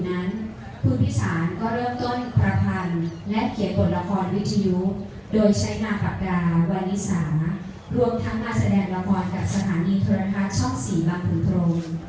เพราะฉะนั้นคุณพี่สารก็เริ่มต้นประพันธ์และเขียนบทละครวิทยุโดยใช้มากับการวรรณิสาหรัฐรวมทั้งมาแสดงละครกับสถานีเทวราคัตช่องศรีบังถุงโทรม